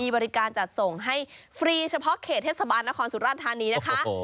บริการจัดส่งให้ฟรีเฉพาะเขตเทศบาลนครสุราธานีนะคะ